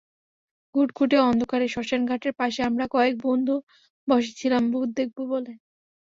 ঘুটঘুটে অন্ধকারে শ্মশানঘাটের পাশে আমরা কয়েক বন্ধু বসে ছিলাম ভূত দেখব বলে।